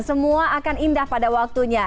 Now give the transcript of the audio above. semua akan indah pada waktunya